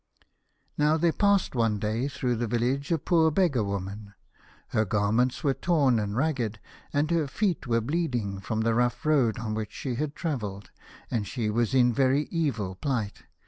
Now there passed one day through the vil lage a poor beggar woman. Her garments were torn and ragged, and her feet were bleeding from the rough road on which she had travelled, and she was in very evil plight.